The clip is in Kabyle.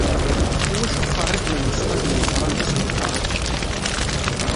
Iwacu ttferriqen nnesxat n Leqran deg sbiṭarat?